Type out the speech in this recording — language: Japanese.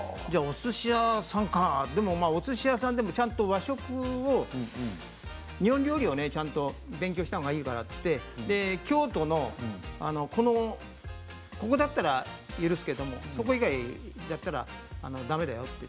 じゃあ、おすし屋さんかとでもおすし屋さんでも和食を、日本料理をね勉強したほうがいいからと言って京都のここだったら許すけれども、そこ以外だったらだめだよって。